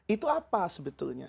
itu apa sebetulnya